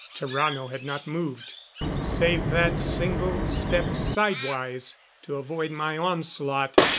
Tarrano had not moved, save that single step side wise to avoid my onslaught.